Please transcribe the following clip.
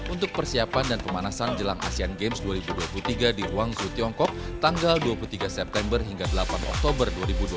untuk persiapan dan pemanasan jelang asean games dua ribu dua puluh tiga di huangzruu tiongkok tanggal dua puluh tiga september hingga delapan oktober dua ribu dua puluh tiga